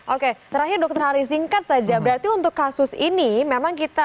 oke terakhir dokter hari singkat saja berarti untuk kasus ini memang kita